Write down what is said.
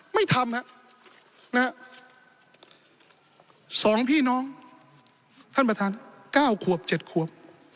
ไม่ทำฮะนะฮะสองพี่น้องท่านประธาน๙ขวบ๗ขวบ